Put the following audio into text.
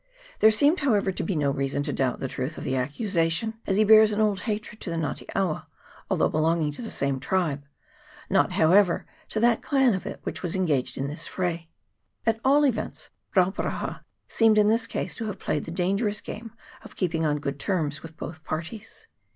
There seemed, however, to be no reason to doubt the truth of the accusation, as he bears an old hatred to the Nga te awa, although belonging to the same tribe ; not, however, to that clan of it which was engaged in this fray. At all events, Rauparaha seemed in this case to have played the dangerous game of keeping on good terms with both parties.